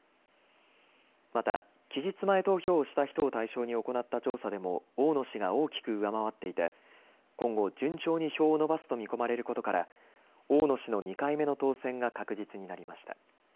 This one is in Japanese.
また期日前投票をした人を対象に行った調査でも大野氏が大きく上回っていて今後順調に票を伸ばすと見込まれることから大野氏の２回目の当選が確実になりました。